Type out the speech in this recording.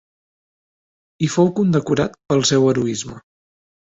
Hi fou condecorat pel seu heroisme.